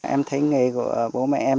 em thấy nghề của bố mẹ em